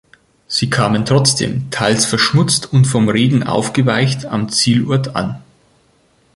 Sie kamen trotzdem teils verschmutzt und vom Regen aufgeweicht am Zielort an.